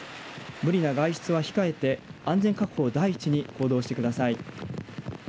無理な外出は控えて安全確保を第一に行動してください。